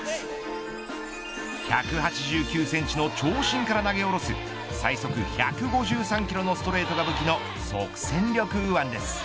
１８９センチの長身から投げ下ろす最速１５３キロのストレートが武器の即戦力右腕です。